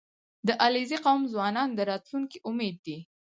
• د علیزي قوم ځوانان د راتلونکي امید دي.